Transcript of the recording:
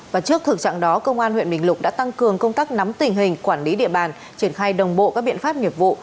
và trước thực trạng đó công an huyện bình lục đã tăng cường công tác nắm tình hình quản lý địa bàn triển khai đồng bộ các biện pháp nghiệp vụ